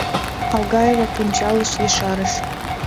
Алгаева пунчалыш ешарыш: